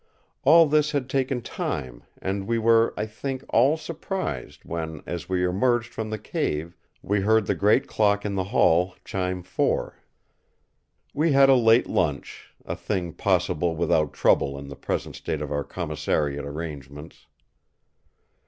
All this had taken time, and we were I think all surprised when as we emerged from the cave we heard the great clock in the hall chime four. We had a late lunch, a thing possible without trouble in the present state of our commissariat arrangements.